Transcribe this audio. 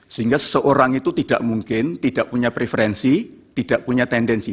sehingga seseorang itu tidak mungkin tidak punya preferensi tidak punya tendensi